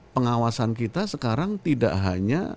pengawasan kita sekarang tidak hanya